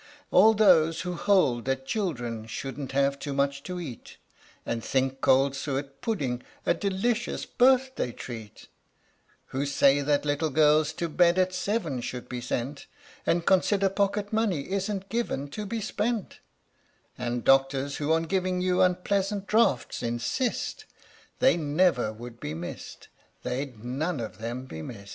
All those who hold that children shouldn't have too much to eat, And think cold suet pudding a delicious birthday treat, Who say that little girls to bed at seven should be sent, And consider pocket money isn't given to be spent, And doctors who on giving you unpleasant draughts insist They never would be missed, they'd none of them be missed.